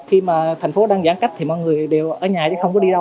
khi mà thành phố đang giãn cách thì mọi người đều ở nhà chứ không có đi đâu